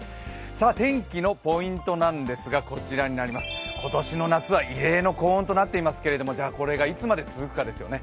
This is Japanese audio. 天気のポイントなんですが今年の夏は異例の高温となっていますがこれがいつまで続くかですよね。